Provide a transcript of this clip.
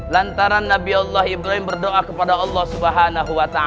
lantaran nabi allah ibrahim berdoa kepada allah swt